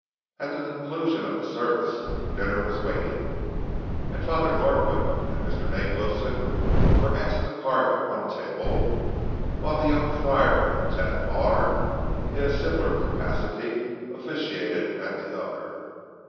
At the conclusion of the services, dinner was waiting, and Father Norquin and Mr. Nate Wilson were asked to carve at one table, while the young friar and Lieutenant Barr, in a similar capacity, officiated at the other.